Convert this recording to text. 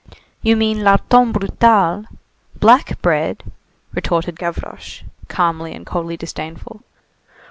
"You mean larton brutal [black bread]!" retorted Gavroche, calmly and coldly disdainful.